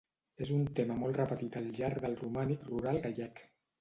És un tema molt repetit al llarg del romànic rural gallec.